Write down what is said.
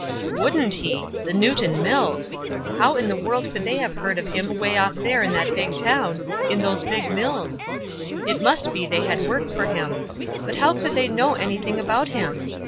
Wouldn't he ! The Newton Mills ! How in the world con Id they have heard of him away off there in tjiat big town, in those big mills? It must be they had work for him. But how could they know anything about him?